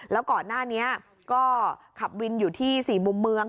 แล้วก่อนหน้านี้ก็ขับวินอยู่ที่๔มุมเมือง